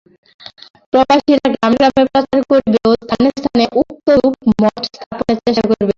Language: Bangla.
প্রবাসীরা গ্রামে গ্রামে প্রচার করিবে ও স্থানে স্থানে উক্তরূপ মঠ স্থাপনের চেষ্টা করিবে।